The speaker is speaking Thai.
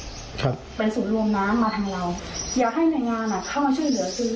ครับเป็นศูนย์รวมน้ำมาทางเราอยากให้หน่วยงานอ่ะเข้ามาช่วยเหลือซื้อ